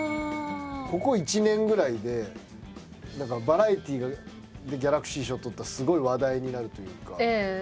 ここ１年ぐらいでバラエティがギャラクシー賞とったらすごい話題になるというか。